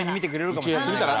一応やってみたら？